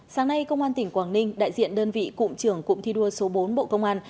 sáng nay công an tỉnh quảng ninh đại diện đơn vị cụm trưởng cụm thi đua số bốn bộ công an